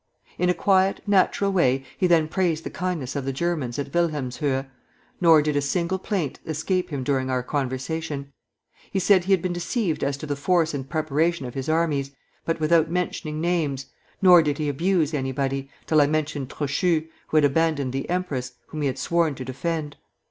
In a quiet, natural way he then praised the kindness of the Germans at Wilhelmshöhe, nor did a single plaint escape him during our conversation. He said he had been deceived as to the force and preparation of his armies, but without mentioning names, nor did he abuse anybody, till I mentioned Trochu, who had abandoned the empress, whom he had sworn to defend.